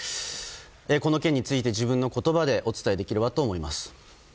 この件について自分の言葉でお伝えできればと思います。